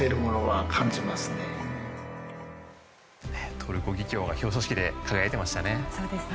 トルコギキョウが表彰式で輝いていましたね。